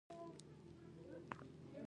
دویمې پیسې له لومړیو پیسو څخه ډېرې زیاتې دي